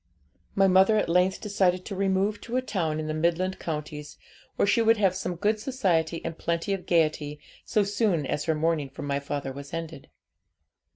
'My mother at length decided to remove to a town in the midland counties, where she would have some good society and plenty of gaiety, so soon as her mourning for my father was ended.